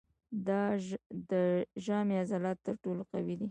د ژامې عضلات تر ټولو قوي دي.